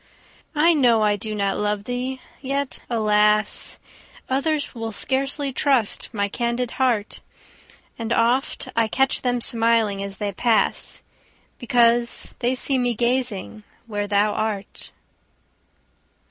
I know I do not love thee! yet, alas! Others will scarcely trust my candid heart; And oft I catch them smiling as they pass, Because they see me gazing where thou art.